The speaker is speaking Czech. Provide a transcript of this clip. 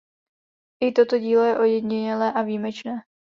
I toto dílo je ojedinělé a výjimečné.